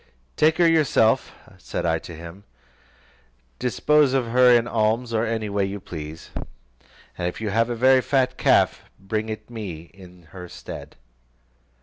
"Take her yourself," said I to him, "dispose of her in alms, or any way you please: and if you have a very fat calf, bring it me in her stead."